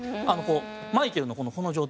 マイケルの、この状態。